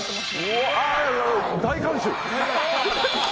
大観衆！